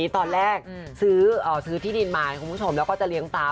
ตอนแรกซื้อที่ดินมาให้คุณผู้ชมแล้วก็จะเลี้ยงปลา